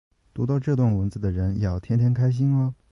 读到这段文字的人要天天开心哦